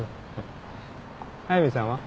速見さんは？